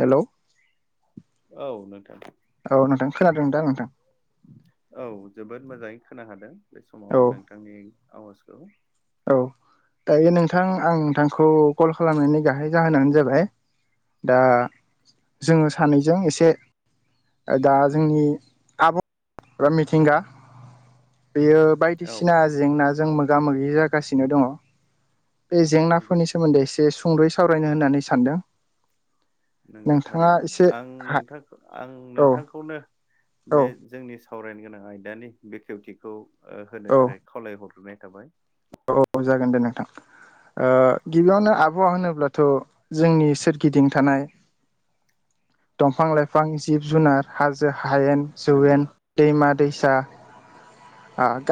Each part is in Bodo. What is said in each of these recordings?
हेलौ औ नोंथां औ नोंथां खोनादों दा नोंथां औ जोबोद मोजाङै खोनाखादों बे औ समाव नोंथांनि आवाजखौ औ दायो नोंथां आं नोंथांखौ कल खालामनायनि गाहाय जाहोनानो जाबाय दा जोङो सानैजों एसे दा जोंनि आबहावा बा मिथिंगा बेयो औ बायदिसिना जेंनाजों मोगा मोगि जागासिनो दङ बे नंगौ जेंनाफोरनि सोमोन्दै एसे सुंद'यै सावरायनो होननानै सानदों नंगौ नोंथाङा थारैनो एसे आं हा नोंथां आं औ नोंथांखौनो औ बे जोंनि सावरायनो गोनां आयदानि बेखेवथिखौ औ होनो थाखाय खावलायहरग्रोनाय थाबाय। जागोन दे नोंथां गिबियावनो। औ आबहावा होनोब्लाथ' जोंनि सोरगिदिं थानाय दंफां-लाइफां, जिब-जुनार' हाजो-हायेन नंगौ जौवेन दैमा दैसा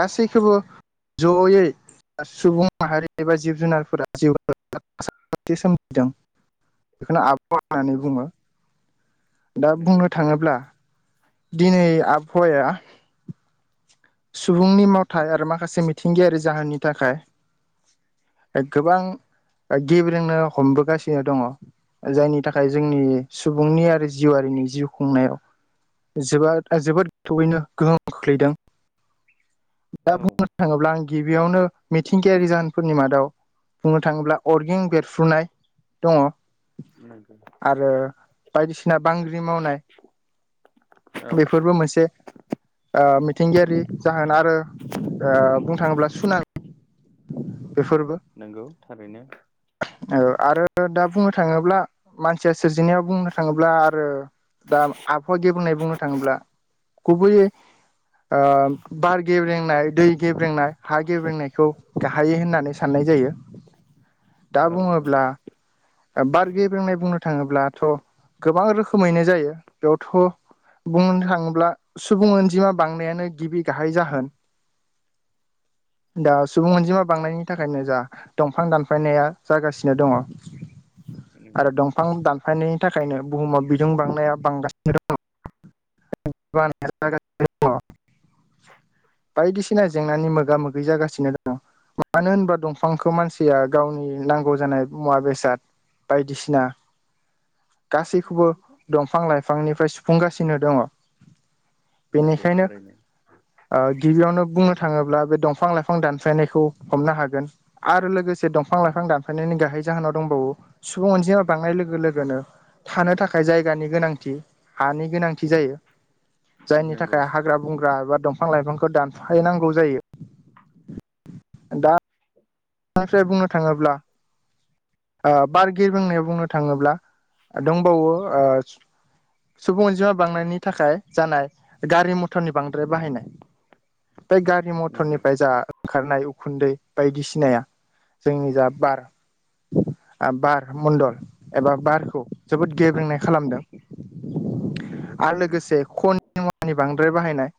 गासैखौबो जयै सुबुं माहारि एबा जिब जुनारफोरा जिउ सोमजिदों। बेखौनो आबहावा होननानै नंगौ बुङो दा नंगौ बुंनो थारैनो थाङोब्ला दिनै आबहावाया सुबुंनि मावथाय आरो माखासे मिथिंगायारि जाहोननि थाखाय गोबां गेब्रेनो हमबोगासिनो दङ। जायनि थाखाय जोंनि सुबुंनि आरो जिउआरिनि जिउ खुंनायाव। जोबो जोबोद गोथौयैनो गोहोम खोख्लैदों। दा औ बुंनो थाङोब्ला आं गिबियावनो मिथिंगायारि जाहोनफोरनि मादाव बुंनो थाङोब्ला अरगें बेरफ्रुनाय दङ। नंगौ आरो बायदिसिना बांग्रि मावनाय। औ बेफोरबो मोनसे। मिथिंगायारि जाहोन आरो बुंनो थाङोब्ला सुनार बेफोरबो नंगौ थारैनो। औ आरो दा बुंनो थाङोब्ला। मानसिया सोरजिनायाव बुंनो थाङोब्ला आरो दा आबहावा गेबनाय बुंनो थाङोब्ला थाङोब्ला गुबैयै बार गेब्रेंनाय दै गेब्रेंनाय हा गेब्रेंनायखौ गाहायै होननानै साननाय जायो दा औ नंगौ बुङोब्ला बार गेब्रेंनाय बुंनो थाङोब्लाथ' गोबां रोखोमैनो जायो बेयावथ' बुंनो थाङोब्ला सुबुं अनजिमा बांनायानो गिबि गाहाय जाहोन [inaudible] दा सुबुं अनजिमा बांनायनि थाखायनो जा दंफां दानफायनाया जागासिनो दङ। नंगौ आरो दंफां दानफायनायनि थाखायनो बुहुमाव बिदुं बांनाया बांगासिनो दं। [unintelligible] बायदिसिना जेंनानि मोगा मोगि जागासिनो दङ। मानो होनबा दंफांखौ मानसिया गावनि नांगौ जानाय मुवा बेसाद बायदिसिना गासैखौबो दंफां लाइफांनिफ्राय सुफुंगासिनो दङ। नंगौ बेनिखायनो थारैनो गिबियावनो बुंनो थाङोब्ला बे दंफां-लाइफां, दानफायनायखौ हमनो हागोन आरो लोगोसे दंफां-लाइफां दानफायनायनि गाहाय जाहोनाव दंबावो सुबुं अनजिमा बांनाय लोगो लोगोनो थानो थाखाय जायगानि गोनांथि हानि गोनांथि जायो जायनि नंगौ थाखाय हाग्रा-बंग्रा एबा दंफां-लाइफांखौ दान फायनांगौ जायो दा [inaudible] आनिफ्राय बुंनो थाङोब्ला बारगिर बुंनायाव बुंनो थाङोब्ला दंबावो ओ सुबुं अनजिमा बांनायनि थाखाय जानाय गारि मथरनि बांद्राय बाहायनाय बेफ्राय गारि नंगौ मथरनिफ्राय जा ओंखारनाय उखुन्दै बायदिसिनाया जोंनि जा बार बार मण्डल एबा बारखौ जोबोद गेब्रेंनाय खालामदों नंगौ आरो थारैनो लोगोसे ख मु बांद्राय बाहायनाय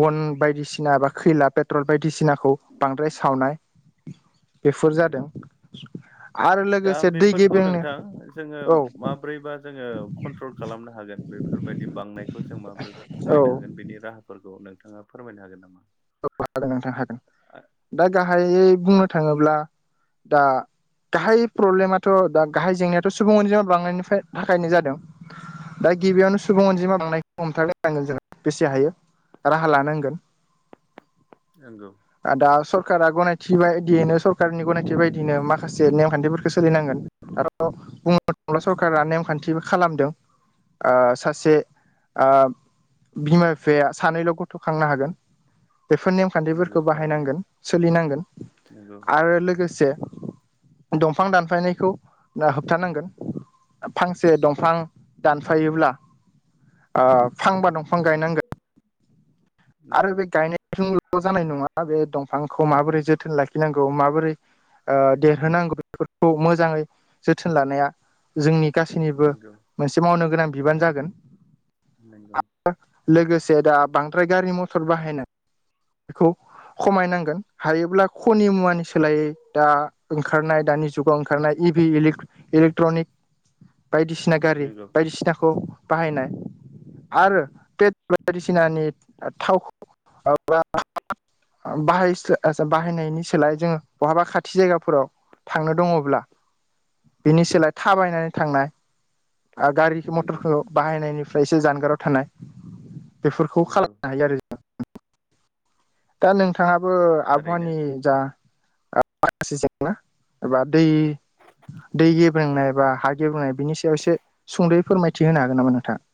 बन बायदिसिना ब खैला पेट्रल बायदिसिनाखौ बांद्राय सावनाय बेफोर नंगौ जादों। आरो दा लोगोसे दै बेफोरखौ गेब्रेंनो नोंथां जोङो औ माब्रैबा जोङो कन्ट्रल खालामनो हागोन बे फोरबायदि बांनायखौ जों माबोरैबा औ खमायनो हागोन बेनि राहाफोरखौ नोंथाङा फोरमायनो हागोन नामा? औ हागोन नोंथां हागोन आ- दा गाहायै बुंनो थाङोब्ला दा गाहाय प्रब्लेमाथ' दा गाहाय जेंनायाथ' सुबुं अनजिमा बांनायनिफ्राय थाखायनो जादों दा गिबियावनो सुबुं अनजिमा बांनायखौ हमथारनोनांगोन जों बेसे हायो राहा लानांगोन नंगौ दा सरकारा गनायथि बायदियैनो सरकारनि गनायथि बायदियैनो उम, माखासे नेमखान्थिफोरखौ सोलिनांगोन आरो बुंनो थाङोब्ला सरकारा नेमखान्थिबो खालामदों ओ सासे ओ बिमा बिफाया सानैल' गथ'खांनो हागोन बेफोर नेम नंगौ खान्थिफोरखौ थारैनो बाहायनांगोन सोलिनांगोन नंगौ आरो लोगोसे दंफां दानफायनायखौा होबथानांगोन फांसे दंफां दानफायोब्ला फांबा दंफां गायनांगोन आरो नंगौ बे गायनायजोंल' जानाय नङा बे दंफांखौ माबोरै जोथोन लाखिनांगौ माबोरै ओ देरहोनांगौ बेफोरखौ मोजाङै जोथोन लानाया जोंनि गासैनिबो नंगौ मोनसे मावनो गोनां बिबान जागोन नगं लोगोसे दा बांद्राय गारि मथर बाहायनाय बेखौ खमायनांगोन हायोब्ला खनि मुवानि सोलायै दा ओंखारनाय दानि जुगाव ओंखारनाय इ भि इलिग इलेक्ट्रनिक बायदिसि ना गारि नंगौ बायदिसिनाखौ बाहायनाय आरो पेट्रल बायदिसिनानि थावखौ मा बाहाय स्लाइ बाहायनायनि सोलाय जोङो बहाबा खाथि जायगाफोराव थांनो दङब्ला बिनि सोलाय थाबायनानै थांनाय आरो गारि नंगौ मथरखौ बाहायनायनिफ्राय एसे जानगाराव थानाय बेफोरखौ नंगौ खालामनो हायो आरो ज दा नोंथाङाबो थारैनो आबहावानि जा माखासे जेंना एबा दै दै गेबेंनाय बा हा गेबुंनाय बिनि सायाव एसे सुंद'यै फोरमायथि होनो हागोन नामा नोंथाङा?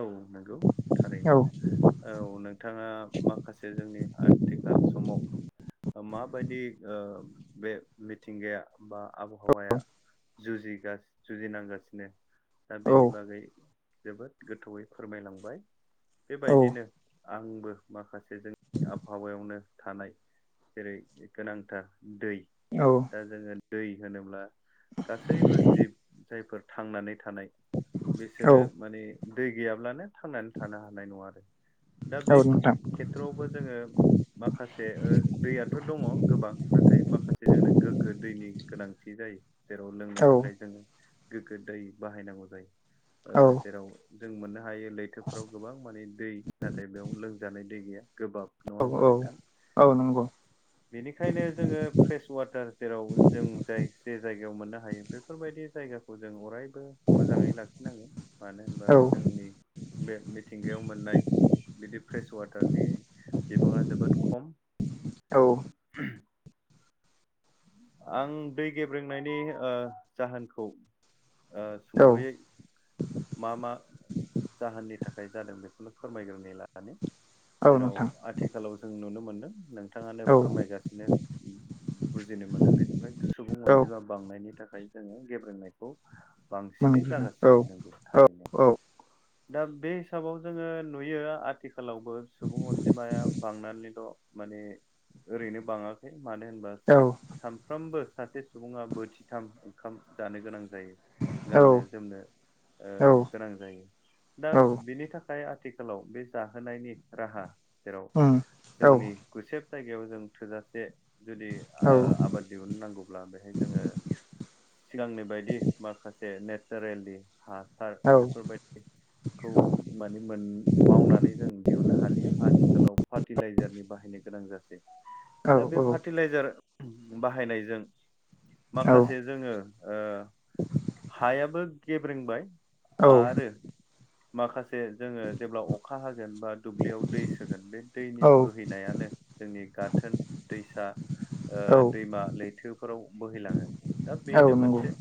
औ नंगौ थारैनो औ औ नोंथाङा माखासे जोंनि आथिखाल समाव माबायदि ओ बे मिथिंगाया बा आबहावाया जुजिगास जुजिनांगासिनो दा औ बेनि बागै जोबोद गोथौयै फोरमायलांबाय औ बेबायदिनो आंबो माखासे जोंनि आबहावायावनो थानाय जेरै गोनांथार दै औ दा जोङो दै होनोब्ला गासैबो जिब जायफोर थांनानै थानाय औ बिसोरो माने दै गैयाब्लानो थांनानै थानो हानाय नङा आरो दा औ बे नोंथां खे ट्रवाउबो जोङो माखासे ओ दैयाथ' दङ गोबां नाथाय माखासे जोंनो गोग्गो दैनि गोनांथि जायो जेराव लोंनो औ थाखाय जोङो गोगो दै बाहायनांगौ जायो ओ औ जेराव जों मोननो हायो लैथोफ्राव गोबां माने दै नाथाय बेयाव लोंजानाय दै गैया गोबाब नङा औ होमबा नोंथां औ औ नंगौ बेनिखायनो जोङो फ्रेस वाटार जेराव जों जाय जे जायगायाव मोननो हायो बे फोरबायदि जायगाखौ जों अरायबो मोजाङै लाखिनांगोन मानो होनबा औ जोंनि बे मिथिंगायाव मोननाय बिदि फ्रेश वाटारनि बिबाङा जोबोद खम औ [unintelligible] आं दै गेब्रेंनायनि ओ जाहोनखौ ओ औ सुंद'यै मा मा जाहोननि थाखाय जादों बेखौनो फोरमायग्रोनि लानि औ जेराव नोंथां आथिखालाव जों नुनो मोनदों नों थाङानो औ फोरमायगासिनो बुजिनो मोनो बेनिफ्राय सुबुं औ अनजिमा बांनायनि थाखाय जोङो गेब्रेनायखौ बांसिनै मोनग्रोनो औ जागासिनो नोंगौ औ थारैनो औ दा बे हिसाबाव जोङो नुयो आथिखालावबो सुबुं अनजिमाया बांनानैल' माने ओरैनो बाङाखै मानो होनबा साब सानफ्रामबो सासे सुबुङा बोथिथाम ओंखाम जानो गोनां जायो गाननो-जोमनो ओ औ गोनां जायो दा औ बिनि था खाय आथिखालाव बे जाहोनायनि राहा जेराव उम औ जोंनि गुसेब जायगायाव जों थोजासे जुदि औ ओ आबाद दिहुननो नांगौब्ला बेहाय जोङो सिगांनि बायदि माखासे नेचारेलि हासार औ बेफोरबायदि खौ माने मोन मावनानै जों दिहुननो हालिया आथिखालाव फार्टिलाइजारनि बाहायनायखौ गोनां जासै दा बे औ फार्टिलाइजार बाहायनायजों माखासे औ जोङो ओ हायाबो गेब्रेंबाय आरो माखासे जोङो जेब्ला अखा हागोन बा दुब्लियाव दै सोगोन बे दैनि बोहैनायानो जोंनि गाथोन दैसा ओ दैमा लैथोफोराव बोहैलाङो दा औ बेनो नंगौ औ मोनसे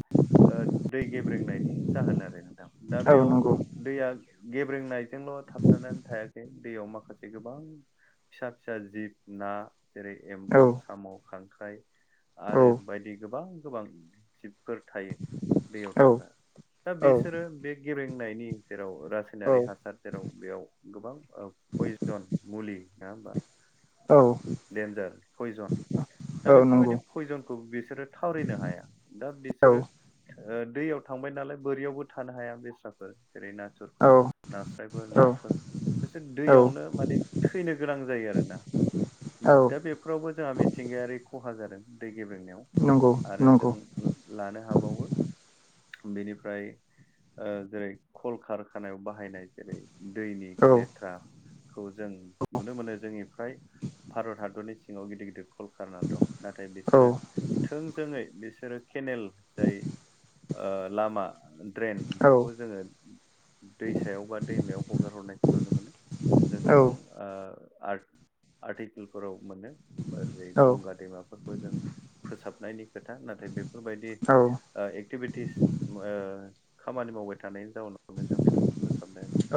ओ दै गेब्रेंनायनि जाहोन आरो नोंथां दा बेयाव दैया गेब्रेंनायजोंल' थाबथानानै थायाखै दैयाव माखासे गोबां फिसा फिसा जिब ना जेरै एम्बु, साम', खांख्राइ आरो बायदि गोबां गोबां जिब फोर थायो दैयाव थाग्रा दा बिसोरो बे गेब्रेंनायनि जेराव रासाय नारि हासार जेराव बेयाव गोबां पयजन मुलि नङा होमबा डेन्जार पयजन दा नंगौ बेफोरबायदि फयजनखौ बिसोरो थावरिनो हाया दा बिसोरो ओ दैयाव थांबाय नालाय बोरियावबो थानो हाया बेस्राफोर जेरै ना थुरफोर, नास्रायफोर, औ नाफोर बिसोर औ दैयावनो माने थैनो गोनां जायो आरोना औ दा बे फोरावबो जोंहा मिथिंगायारि ख'हा जादों दै गेब्रेनायाव नंगौ औ नंगौ आरो नंगौ जों लानो हाबावो बेनिफ्राय ओ जेरै खल खारखानायाव बाहायनाय जेरै दैनि औ लेथ्रा खौ जों नुनो मोनो जोंनिफ्राय भारत हादरनि सिङाव गिदिर गिदिर कलकारना दं नाथाय औ बिसोरो थोंजोङै बिसोरो खेनेल जाय ओ लामा ड्रेन औ बेखौ जोङो दैसायाव बा दैमायाव हगार हरनायखौ नुनो मोनो जों गोबां ओ आर्ट आर्टिकेलफोराव मोनो जेरै गंगा दैमा फोरखौ जों फोसाबनायनि खोथा नाथाय बेफोरबायदि औ ओ एक्टिभिटिस ओ खामानि मावबाय थानायनि जाउनाव बेफोरखौ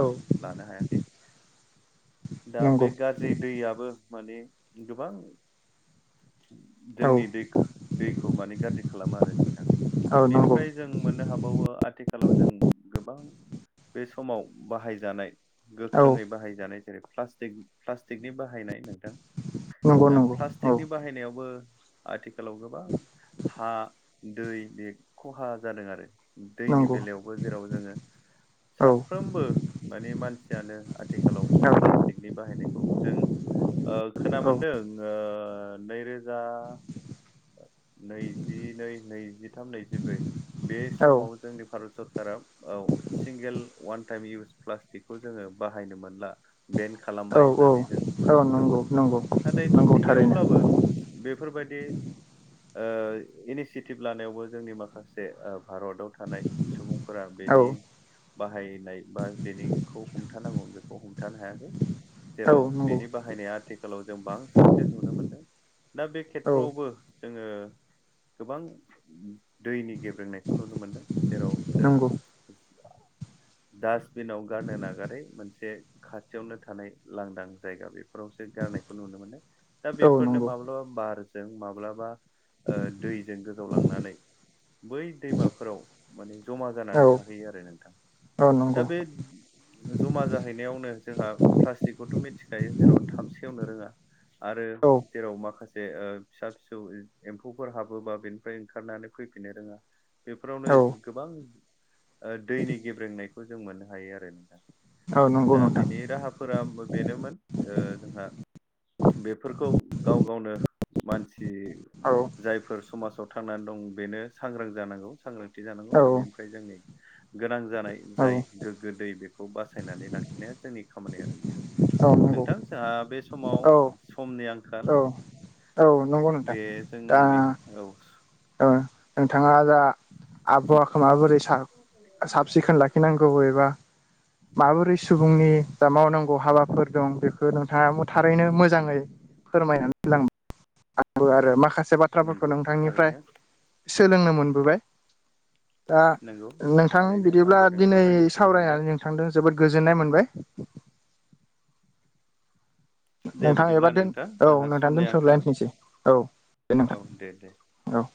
औ लानो हायाखै दा नंगौ बे गाज्रि दैयाबो माने गोबां औ जोंनि दै दैखौ माने गाज्रि खालामो आरो नोंथां बेनिफ्राय जों मोननो हाबावो आथिखालाव जों गोबां बे समाव बाहायजानाय गोख्रोङै बाहायजानाय जेरै फ्लासटिक फ्लास्टिकनि बाहायनाय नोंथां नंगौ नंगौ दा औ फ्लास्टिकनि बाहायनायावबो आथिखालाव गोबां हा, दै बे ख'हा जादों आरो दैनि नंगौ औ बेलायावबो जेराव जोङो साफ्रोमबो माने मानसियानो आथिखालाव प्लास्टिकनि बाहायनायखौ जों ओ खोनानो‌ औ मोनदों ओ नैरोजा नैजिनै नैजिथाम नैजिब्रै बे औ समाव जोंनि भारत सरकारा औ सिंगेल अवान टाइम इउस प्लास्टिकखौ जोङो बाहायनो मोनला बेन औ खालामबाय औ होननानै जों औ नंगौ फोसावदोंमोन नंगौ नाथाय नंगौ थारैनो थेवब्लाबो बेफोरबायदि ओ इनिसियेटिभ लानायावबो जोंनि माखासे भारताव थानाय सुबुंफोरा औ बेनि बाहायनाय बा बेनिखौ हमथानांगौमोन बेखौ हमथानो हायाखै। औ जेराव नंगौ बेनि बाहायनाया आथिखालाव जों बांसिनसो नुनो मोनदों दा बे औ खेथ्रआवबो जोङो गोबां दैनि गेब्रेंनायखौ नुनो मोनदों जेराव जों नंगौ डासटबिनाव गारनो नागारै मोनसे खाथियावनो थानाय लांदां जायगा बेफोरावसो गारनायखौ नुनो मोनो। दा औ बेफोरनो नंगौ माब्लाबा बारजों माब्लाबा ओ दैजों गोजावलांनानै बै दैमाफोराव माने जमा औ जानानै थाहैयो आरो नोंथां औ नंगौ दा बे जमा जाहैनायावनो जोंहा प्लास्टिकखौथ' मिथिखायो जेराव थाब सेवनो रोङा। आरो औ जेराव माखासे ओ फिसा फिसा जौ एमफौफोर हाबोबा बेनिफ्राय ओंखारनानै फैफिननो रोङा बेफोरावनो औ गोबां ओ दैनि गेब्रेंनायखौ जों मोननो हायो आरो नोंथां। औ नंगौ दा नोंथां बेनि राहाफोरा बेनोमोन ओ जोंहा बेफोरखौ गाव गावनो मानसि औ जायफोर समाजाव थांनानै दं बेनो सांग्रां जानांगौ सांग्रांथि जानांगौ औ आरो बेनिफ्राय जोंनि गोनां जानाय औ जाय गोग गो दै बेखौ बासायनानै लाखिनाया जोंनि खामानि आरो नोंथां। औ नंगौ ओ बे समाव औ समनि आंखाल। औ औ नंगौ नोंथां बे जोंनि औ औ नोंथाङा दा आबहावाखौ माबोरै सा साब सिखोन लाखिनांगौ एबा माबोरै सुबुंनि जा मावनांगौ हाबाफोर दं बेफोर नोंथाङाबो थारैनो मोजाङै फोरमायना होलां नांगौ आरो माखा से बाथ्राफोरखौ नंगौ नोंथांनिफ्राय थारैनो सोलोंनो मोनबोबाय। दा नंगौ नोंथां थारैनो बिदिब्ला आंबो दिनै नोंथांनिफ्राय मिथिनो हादों सावरायनानै नों थांदों जोबोद गोजोननाय मोनबाय। दे नोंथां एबा बिदिब्ला दोन नोंथां औ जोंहा नोंथां समनि आंखाल दोनथ'लायनिसै औ दे नोंथां। औ दे दे औ